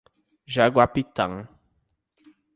Jaguapitã